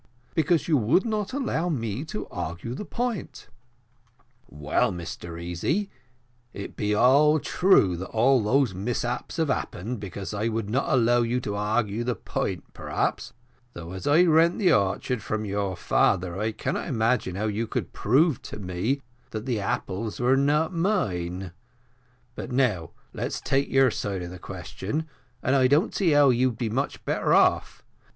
because you would not allow me to argue the point." "Well, Mr Easy, it be all true that all these mishaps have happened because I would not allow you to argue the point, perhaps, although, as I rent the orchard from your father, I cannot imagine how you could have proved to me that the apples were not mine; but now, let's take your side of the question, and I don't see how you be much better off.